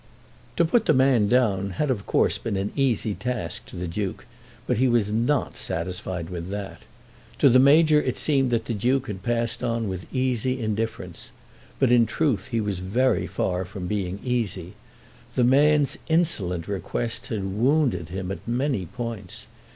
To put the man down had of course been an easy task to the Duke, but he was not satisfied with that. To the Major it seemed that the Duke had passed on with easy indifference; but in truth he was very far from being easy. The man's insolent request had wounded him at many points.